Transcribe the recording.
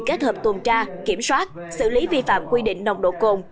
kết hợp tuần tra kiểm soát xử lý vi phạm quy định nồng độ cồn